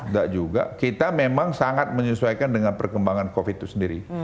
tidak juga kita memang sangat menyesuaikan dengan perkembangan covid itu sendiri